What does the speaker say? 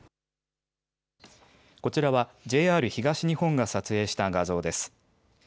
こちらはＪＲ東日本が撮影した画像です。